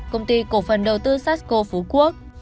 công ty cổ phần đầu tư sarsco phú quốc